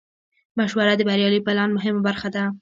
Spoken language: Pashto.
مشوره د بریالي پلان مهمه برخه ده.